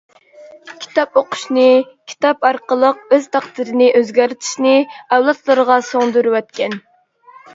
كىتاب ئوقۇشنى، كىتاب ئارقىلىق ئۆز تەقدىرىنى ئۆزگەرتىشنى ئەۋلادلىرىغا سىڭدۈرۈۋەتكەن.